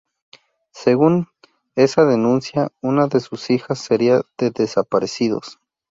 Según esa denuncia, una de sus hijas sería de desaparecidos.